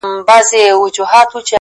سیاه پوسي ده ـ رنگونه نسته ـ